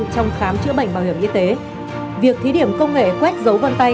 trong khám chữa bệnh bảo hiểm y tế